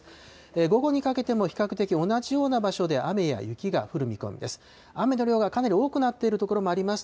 午後にかけても、比較的同じような場所で雨や雪が降る見込みです。